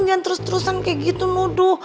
jangan terus terusan kayak gitu nuduh